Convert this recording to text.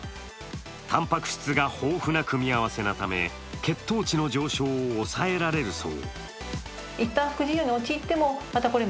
たんぱく質が豊富な組み合わせなため、血糖値の上昇を抑えられるそう。